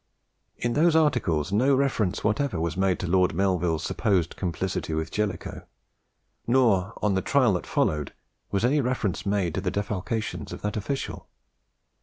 In those articles, no reference whatever was made to Lord Melville's supposed complicity with Jellicoe; nor, on the trial that followed, was any reference made to the defalcations of that official.